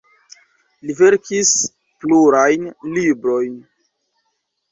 Li verkis plurajn librojn.